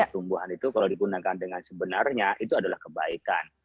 tumbuhan itu kalau digunakan dengan sebenarnya itu adalah kebaikan